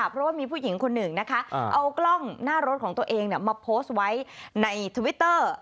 เพราะว่ามีผู้หญิงคนหนึ่งนะคะเอากล้องหน้ารถของตัวเองมาโพสต์ไว้ในทวิตเตอร์